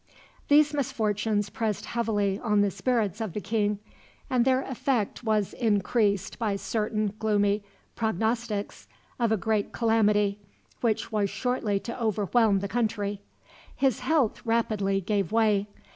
These misfortunes pressed heavily on the spirits of the king, and their effect was increased by certain gloomy prognostics of a great calamity, which was shortly to overwhelm the country. His health rapidly gave way.